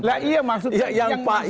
nah iya maksudnya yang di medsos itu